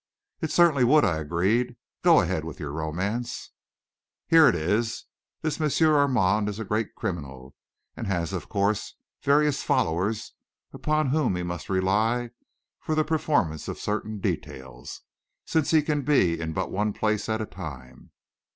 "It certainly would!" I agreed. "Go ahead with your romance." "Here it is. This M. Armand is a great criminal, and has, of course, various followers, upon whom he must rely for the performance of certain details, since he can be in but one place at a time.